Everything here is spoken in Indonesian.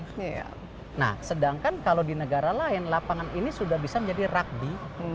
nah sedangkan kalau di negara lain lapangan ini sudah bisa menjadi rugby